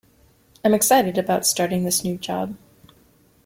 I'm excited about starting this new job.